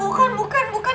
bukan bukan bukan